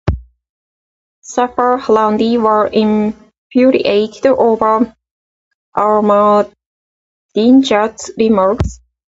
Safar-Harandi were infuriated over Ahmadinejad's remarks.